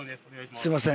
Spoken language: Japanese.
すみません。